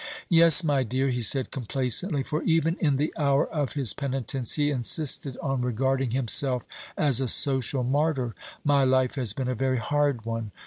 "Yes, my dear," he said complacently for even in the hour of his penitence he insisted on regarding himself as a social martyr "my life has been a very hard one.